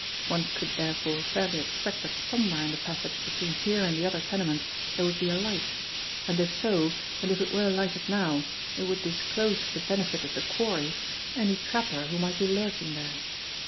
One could therefore fairly expect that somewhere in the passage between here and the other tenement there would be a light; and if so, and if it were lighted now, it would disclose for the benefit of the "quarry" any "trapper" who might be lurking there.